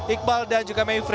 iqbal dan juga mevry